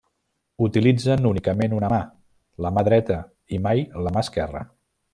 Utilitzen únicament una mà, la mà dreta i mai la mà esquerra.